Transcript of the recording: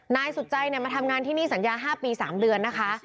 นายสุดใจมาทำงานที่นี่สัญญา๕ปี๓เดือนนะคะ